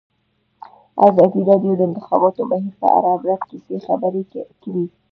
ازادي راډیو د د انتخاباتو بهیر په اړه د عبرت کیسې خبر کړي.